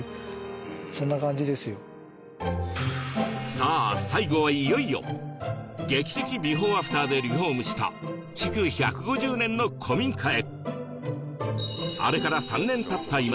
さあ最後はいよいよ『劇的ビフォーアフター』でリフォームした築１５０年の古民家へ